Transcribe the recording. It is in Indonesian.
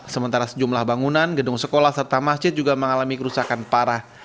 sementara sejumlah bangunan gedung sekolah serta masjid juga mengalami kerusakan parah